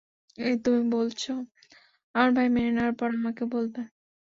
এই, তুমি বলেছ আমার ভাই মেনে নেওয়ার পর আমাকে বলবে।